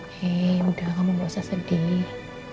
hei udah kamu gak usah sedih